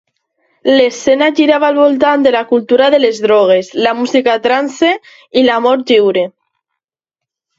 L'escena girava al voltant de la cultura de les drogues, la música trance i l'amor lliure.